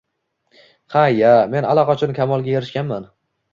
— Ha-ya, men allaqachon kamolga erishganman